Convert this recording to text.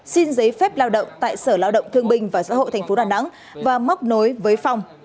xin giấy phép lao động tại sở lao động thương bình và xã hội tp đà nẵng và móc nối với phong